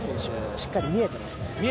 しっかり見えていますね。